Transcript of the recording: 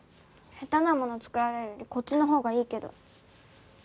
下手なもの作られるよりこっちのほうがいいけど。